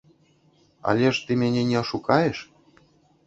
Але ж ты мяне не ашукаеш?